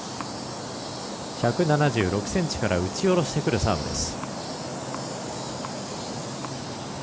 １７６ｃｍから打ち下ろしてくるサーブです。